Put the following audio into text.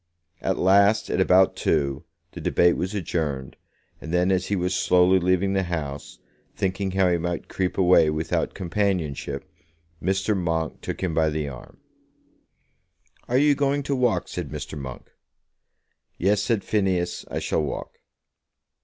At last, at about two, the debate was adjourned, and then as he was slowly leaving the House, thinking how he might creep away without companionship, Mr. Monk took him by the arm. "Are you going to walk?" said Mr. Monk. "Yes", said Phineas; "I shall walk."